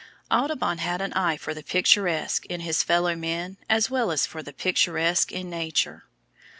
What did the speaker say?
Audubon had an eye for the picturesque in his fellow men as well as for the picturesque in Nature.